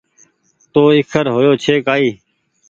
تو ايکر هيو ڇي ڪآئي